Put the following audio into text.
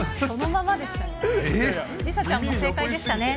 そのままでした。